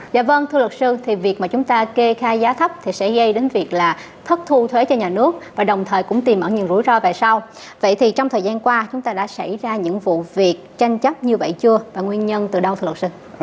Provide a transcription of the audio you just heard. dạ vâng thưa luật sư thì việc mà chúng ta kê khai giá thấp thì sẽ gây đến việc là thất thu thuế cho nhà nước và đồng thời cũng tìm ẩn nhiều rủi ro về sau vậy thì trong thời gian qua chúng ta đã xảy ra những vụ việc tranh chấp như vậy chưa và nguyên nhân từ đâu thưa luật sư